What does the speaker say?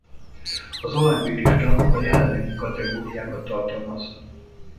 Az alábbi lista a jelenlegi kategóriákat tartalmazza.